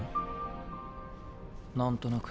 何となく。